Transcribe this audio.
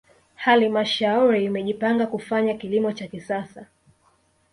halmashauri imejipanga kufanya kilimo cha kisasa